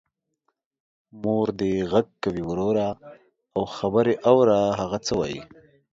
مور دی غږ کوې وروره او خبر یې اوره هغه څه وايي.